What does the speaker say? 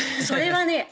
それはね